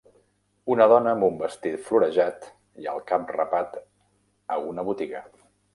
Una dona amb un vestit florejat i el cap rapat a una botiga.